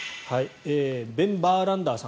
ベン・バーランダーさん